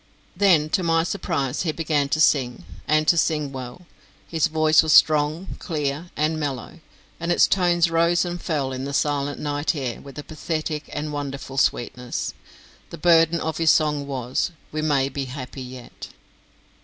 Then to my surprise he began to sing, and to sing well. His voice was strong, clear, and mellow, and its tones rose and fell in the silent night air with a pathetic and wonderful sweetness. The burden of his song was "We may be happy yet."